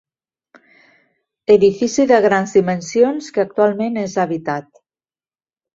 Edifici de grans dimensions que actualment és habitat.